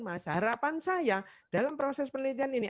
mas harapan saya dalam proses penelitian ini